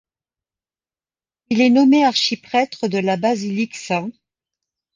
Il est nommé archiprêtre de la basilique St.